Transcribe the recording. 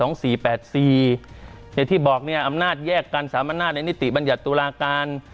ในที่บอกเนี่ยอำนาจแยกกันสามัญญาณในนิติบรรยาตุลาการ